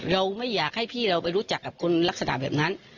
เราไม่อยากให้พี่เราไปรู้จักกับคนลักษณะแบบนั้น